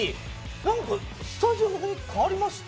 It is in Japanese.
なんかスタジオの雰囲気変わりました？